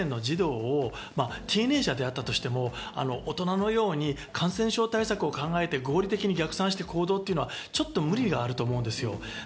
未成年の児童を低年齢者であったとしても、大人のように感染症対策を考えて、合理的に逆算して行動というのは無理があると思うんです。